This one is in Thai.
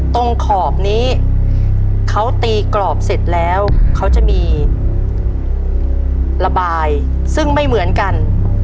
ขอบนี้เขาตีกรอบเสร็จแล้วเขาจะมีระบายซึ่งไม่เหมือนกัน